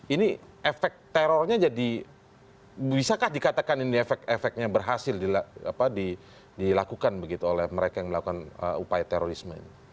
ini efek terornya jadi bisakah dikatakan ini efek efeknya berhasil dilakukan begitu oleh mereka yang melakukan upaya terorisme ini